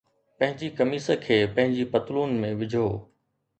پنھنجي قميص کي پنھنجي پتلون ۾ وجھو